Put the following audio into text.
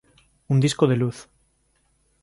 Un disco de luz.